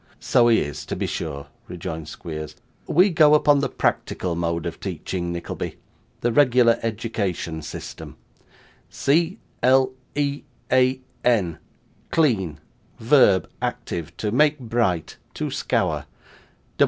'So he is, to be sure,' rejoined Squeers. 'We go upon the practical mode of teaching, Nickleby; the regular education system. C l e a n, clean, verb active, to make bright, to scour.